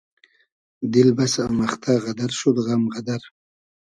دیل بئسۂ مئختۂ غئدئر شود غئم غئدئر